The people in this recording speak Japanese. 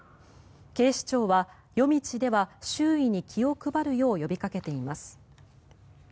警視庁は夜道では周囲に気を配るよう呼びかけています。